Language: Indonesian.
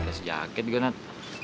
udah dikasih jaket juga nat